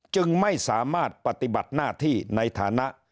จึงไม่สามารถปฏิบัติหน้าที่ในฐานะ